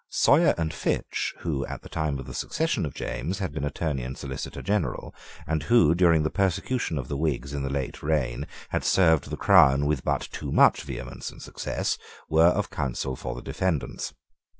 Sawyer and Finch, who, at the time of the accession of James, had been Attorney and Solicitor General, and who, during the persecution of the Whigs in the late reign, had served the crown with but too much vehemence and success, were of counsel for the defendants.